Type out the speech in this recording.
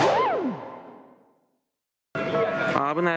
危ない！